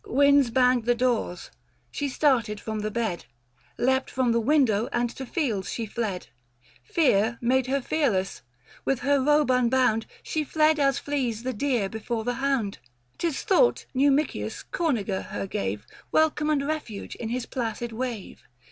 Winds banged the doors ; she started from the bed, Leapt from the window and to fields she fled. Fear made her fearless ; with her robe unbound, She fled as flees the deer before the hound. 695 'Tis thought Xumicius Corniger her gave Welcome and refuge in his placid wave.